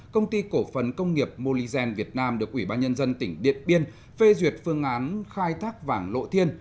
công ty cổ phần công nghiệp moligen việt nam được ủy ban nhân dân tỉnh điện biên phê duyệt phương án khai thác vàng lộ thiên